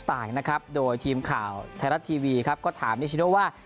ไทยรัฐทีวีครับก็ถามนิชโนว่า